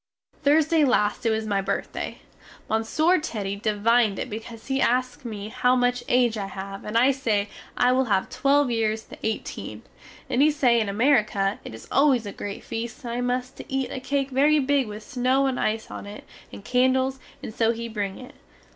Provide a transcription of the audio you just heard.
Thursday last it was my birthday. Monsieur Teddy devined it because he ask me how much age I have and I say I will have twelve years the 18, and he say in Amerique it is always a great feast and I must to eat a cake very big with snow and ice on it and candles, and so he bring it.